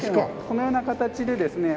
このような形でですね